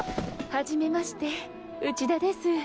はじめまして内田です。